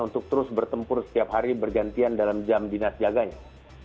untuk terus bertempur setiap hari bergantian dalam jam dinas jaganya